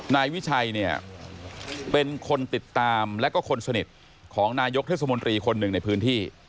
นายวิชัยเนี่ยเป็นคนติดตามแล้วก็คนสนิทของนายกเทศมนตรีคนหนึ่งในพื้นที่